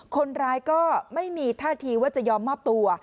คนร้ายก็ไม่มีท่าทีว่าจะยอมมอบตัว